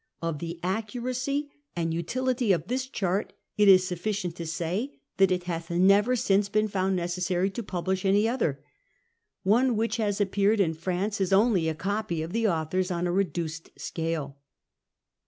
Of the accurjicy and utility »>f this chart it is sufficicut to say that it hath never since been found necessary to publish any other. One which luis aijpeared in France is only a copy of the author's on a reihiced scale.